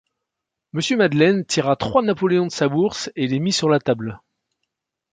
Monsieur Madeleine tira trois napoléons de sa bourse et les mit sur la table.